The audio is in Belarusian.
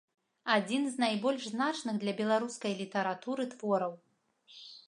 Адзін з найбольш значных для беларускай літаратуры твораў.